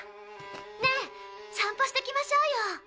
ねえ散歩してきましょうよ。